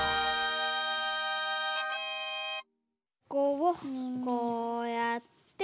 ここをこうやって。